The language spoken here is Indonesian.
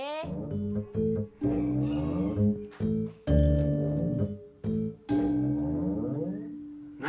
bahkan si bi minumnya